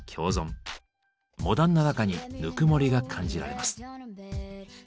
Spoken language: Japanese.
モダンな中にぬくもりが感じられます。